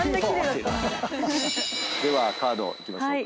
ではカードいきましょうか。